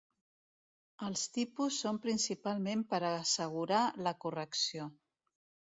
Els tipus són principalment per a assegurar la correcció.